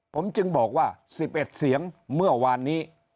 ผมจึงบอกว่า๑๑เสียงเมื่อวานนี้